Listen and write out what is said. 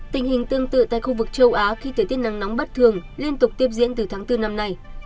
tình hình tương tự tại khu vực châu á khi thời tiết nắng nóng bất thường liên tục tiếp diễn từ tháng bốn năm nay